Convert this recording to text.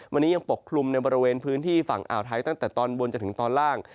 วันนี้ยังปกคลุมในบริเวณพื้นที่ฝั่งอ่าวไทยตั้งแต่ตอนบนจนถึงตอนล่าง